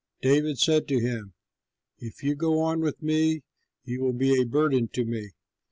David said to him, "If you go on with me you will be a burden to me.